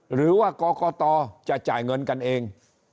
หรือว่ากรกตจะจ่ายเงินกันเอง